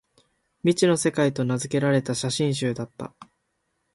「未知の世界」と名づけられた写真集だった